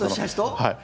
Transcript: はい。